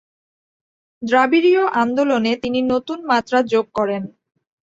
দ্রাবিড়ীয় আন্দোলনে তিনি নতুন মাত্রা যোগ করেন।